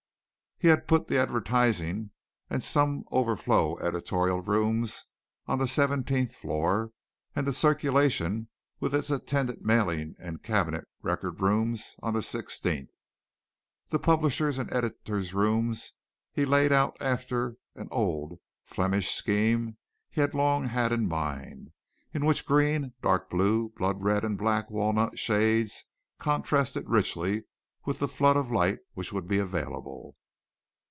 He had put the advertising and some overflow editorial rooms on the seventeenth floor, and the circulation with its attendant mailing and cabinet record rooms on the sixteenth. The publisher's and editor's rooms he laid out after an old Flemish scheme he had long had in mind, in which green, dark blue, blood red and black walnut shades contrasted richly with the flood of light which would be available.